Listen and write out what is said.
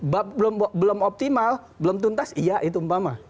bab belum optimal belum tuntas iya itu umpama